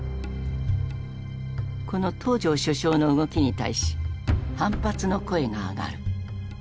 この東條首相の動きに対し反発の声が上がる。